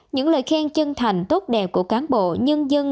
những lời khen chân thành tốt đẹp của cán bộ nhân dân